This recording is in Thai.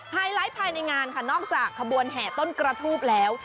ไลท์ภายในงานค่ะนอกจากขบวนแห่ต้นกระทูบแล้ว